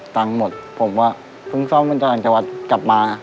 ตั้งหมดผมว่าเพิ่งซ่อมเป็นจากจังหวัดกลับมา